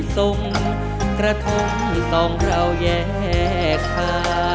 ส่งกระทมสองเราแยกค่ะ